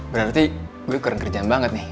berarti gue keren kerjaan banget nih